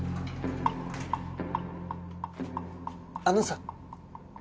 あのさ。